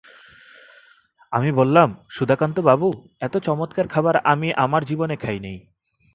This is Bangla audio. আমি বললাম, সুধাকান্তবাবু, এত চমৎকার খাবার আমি আমার জীবনে খাই নি।